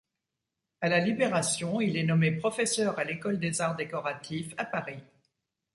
À la Libération, il est nommé professeur à l'école des Arts décoratifs, à Paris.